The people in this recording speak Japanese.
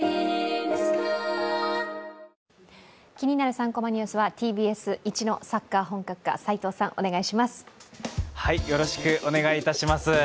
３コマニュース」はＴＢＳいちのサッカー本格派齋藤さん、お願いします。